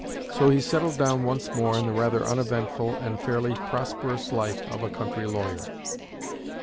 So he settled down once more in the rather uneventful and fairly prosperous life of a country lawyer.